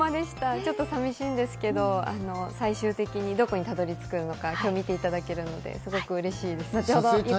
ちょっと寂しいんですけど、最終的にどこにたどり着くのか、今日、見ていただけるので、すごく嬉しいです。